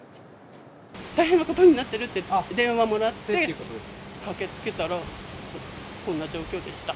大変なことになってるって電話もらって、駆けつけたら、こんな状況でした。